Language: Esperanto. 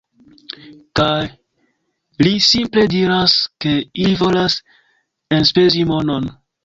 Kaj li simple diras, ke ili volas enspezi monon